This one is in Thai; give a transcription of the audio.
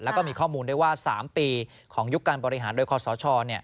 แล้วก็มีข้อมูลได้ว่า๓ปีของยุคการบริหารโดยคอสช